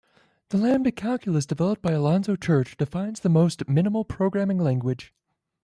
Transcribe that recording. The Lambda calculus, developed by Alonzo Church defines the most minimal programming language.